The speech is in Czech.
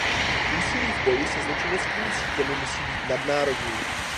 Úsilí v boji se zločineckými sítěmi musí být nadnárodní.